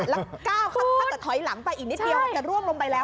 แล้วก้าวถ้าเกิดถอยหลังไปอีกนิดเดียวจะร่วงลงไปแล้ว